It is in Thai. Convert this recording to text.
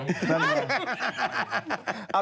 นั่นเอง